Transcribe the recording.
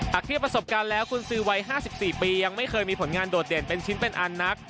เทียบประสบการณ์แล้วกุญสือวัย๕๔ปียังไม่เคยมีผลงานโดดเด่นเป็นชิ้นเป็นอันนัก